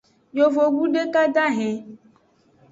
Yovogbu deka dahen.